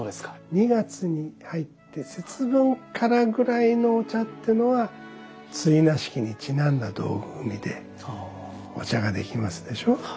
２月に入って節分からぐらいのお茶っていうのは追儺式にちなんだ道具組でお茶ができますでしょう？